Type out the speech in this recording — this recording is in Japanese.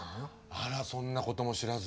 あらそんな事も知らず。